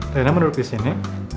rina mau duduk di sini